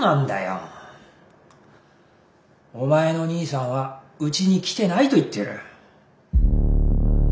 お前の兄さんはうちに来てないと言ってる。